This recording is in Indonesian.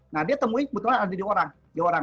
nah dia temui kebetulan ada di orang